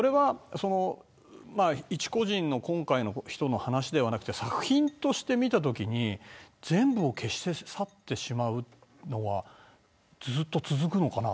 いち個人の話ではなくて作品として見たときに全部を消し去ってしまうのはずっと続くのかな。